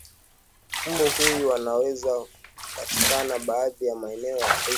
mbu huyo anaweza kupatikana baadhi ya maeneo ya afrika